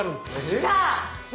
来た！